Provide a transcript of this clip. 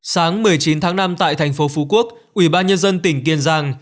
sáng một mươi chín tháng năm tại thành phố phú quốc ủy ban nhân dân tỉnh kiên giang